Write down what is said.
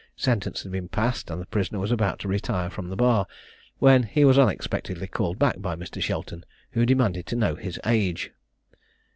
Sentence had been passed, and the prisoner was about to retire from the bar, when he was unexpectedly called back by Mr. Shelton, who demanded to know his age.